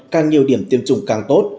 càng nhiều điểm tiêm chủng càng tốt